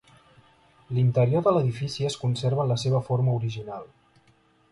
L'interior de l'edifici es conserva en la seva forma original.